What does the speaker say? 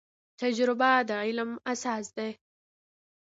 تجربه د علم اساس دی